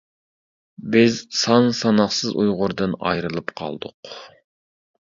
بىز سان-ساناقسىز ئۇيغۇردىن ئايرىلىپ قالدۇق.